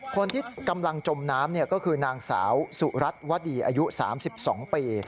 คนที่กำลังจมน้ำก็คือนางสาวสุรัตน์วดีอายุ๓๒ปี